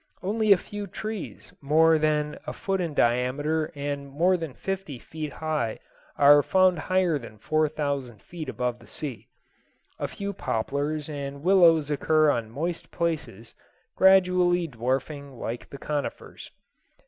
Only a few trees more than a foot in diameter and more than fifty feet high are found higher than four thousand feet above the sea. A few poplars and willows occur on moist places, gradually dwarfing like the conifers.